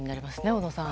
小野さん。